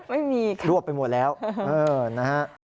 ไม่มีค่ะรวบไปหมดแล้วนะฮะ